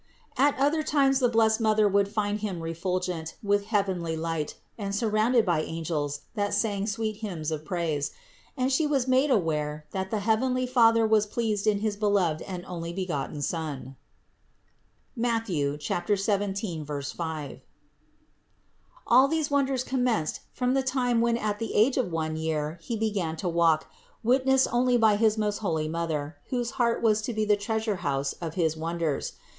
At other times the blessed Mother would find Him refulgent with heavenly light and sur THE INCARNATION 595 rounded by angels that sang sweet hymns of praise; and She was made aware, that the heavenly Father was pleased in his beloved and onlybegotten Son (Matth. 17, 5). All these wonders commenced from the time when at the age of one year He began to walk, wit nessed only by his most holy Mother, whose heart was to be the treasure house of his wonders.